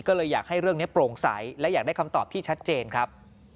ก็เลยอยากให้เรื่องนี้โปร่งใสและอยากได้คำตอบที่ชัดเจนครับ